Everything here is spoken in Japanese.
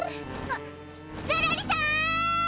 あっゾロリさん！